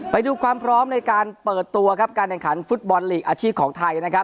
ไปดูความพร้อมในการเปิดตัวครับการแข่งขันฟุตบอลลีกอาชีพของไทยนะครับ